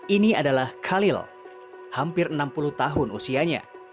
ini adalah khalil hampir enam puluh tahun usianya